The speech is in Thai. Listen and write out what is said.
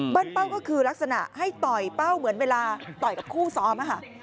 เป้าก็คือลักษณะให้ต่อยเป้าเหมือนเวลาต่อยกับคู่ซ้อมค่ะ